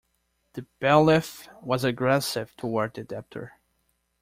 The bailiff was aggressive toward the debtor.